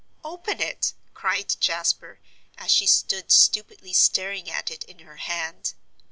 "Open it," cried Jasper, as she stood stupidly staring at it, in her hand.